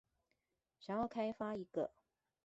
想要開發一個